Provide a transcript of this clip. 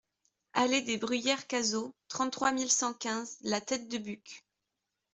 Allée des Bruyères Cazaux, trente-trois mille cent quinze La Teste-de-Buch